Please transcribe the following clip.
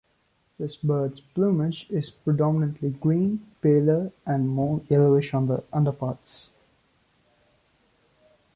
This bird's plumage is predominantly green, paler and more yellowish on the underparts.